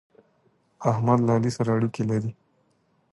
احمد له علي سره اړېکې لري.